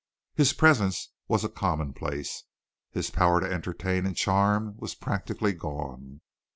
His presence was a commonplace. His power to entertain and charm was practically gone.